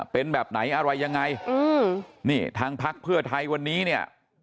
เป็นแบบไหนอะไรยังไงอืมนี่ทางพักเพื่อไทยวันนี้เนี่ย